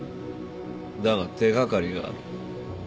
だが手掛かりがある。